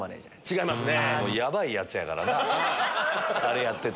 違いますね。